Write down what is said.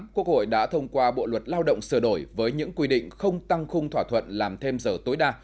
quốc hội đã thông qua bộ luật lao động sửa đổi với những quy định không tăng khung thỏa thuận làm thêm giờ tối đa